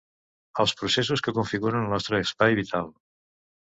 Els processos que configuren el nostre espai vital.